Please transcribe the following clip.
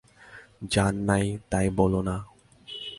জান না তাই বলো-না।